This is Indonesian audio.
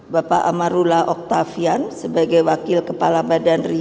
bapak amarullah oktavian sebagai wakil kepala badan riset